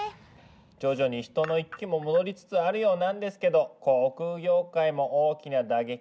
徐々に人の行き来も戻りつつあるようなんですけど航空業界も大きな打撃を受けたみたいですよ。